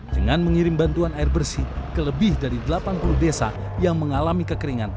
dengan mengirim bantuan air bersih ke lebih dari delapan puluh desa yang mengalami kekeringan